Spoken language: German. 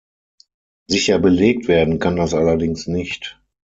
Sicher belegt werden kann das allerdings nicht.